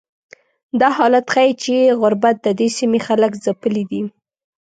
دا حالت ښیي چې غربت ددې سیمې خلک ځپلي دي.